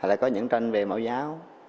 hay là có những tranh về mẫu giáo